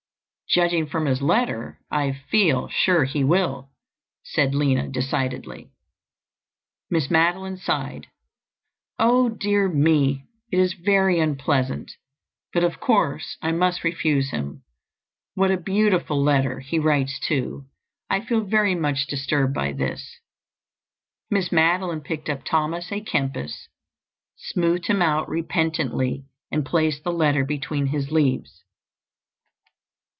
"Judging from his letter I feel sure he will," said Lina decidedly. Miss Madeline sighed. "Oh, dear me! It is very unpleasant. But of course I must refuse him. What a beautiful letter he writes too. I feel very much disturbed by this." Miss Madeline picked up Thomas à Kempis, smoothed him out repentantly, and placed the letter between his leaves.